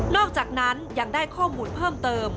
อกจากนั้นยังได้ข้อมูลเพิ่มเติม